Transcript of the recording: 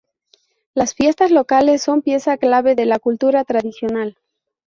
Las fiestas locales son pieza clave de la cultura tradicional.